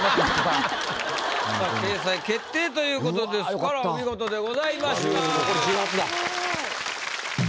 さあ掲載決定ということですからお見事でございました。